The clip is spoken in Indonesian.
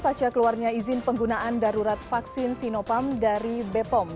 pasca keluarnya izin penggunaan darurat vaksin sinopam dari bepom